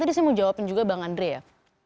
tadi saya mau jawabin juga bang andre ya